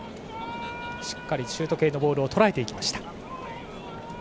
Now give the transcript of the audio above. しっかりシュート系のボールをとらえていきました。